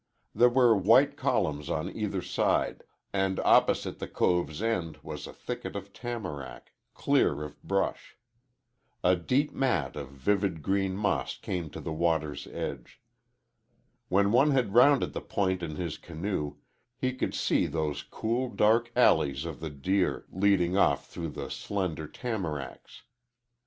There were white columns on either side, and opposite the cove's end was a thicket of tamarack, clear of brush. A deep mat of vivid green moss came to the water's edge. When one had rounded the point in his canoe, he could see into those cool, dark alleys of the deer, leading off through slender tamaracks.